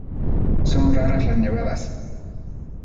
Son raras las nevadas.